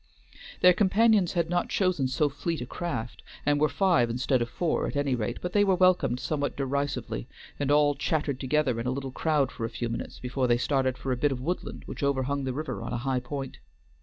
Their companions had not chosen so fleet a craft, and were five instead of four at any rate, but they were welcomed somewhat derisively, and all chattered together in a little crowd for a few minutes before they started for a bit of woodland which overhung the river on a high point.